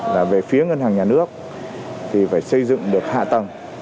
là về phía ngân hàng nhà nước thì phải xây dựng được hạ tầng